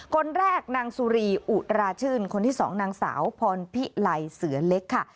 คนแรกนางสุรีอุราชื่นคนที่สองนางสาวพรพิไลเสือเล็กค่ะ